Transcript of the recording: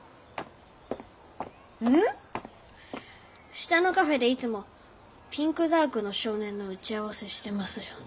下のカフェでいつも「ピンクダークの少年」の打ち合わせしてますよね。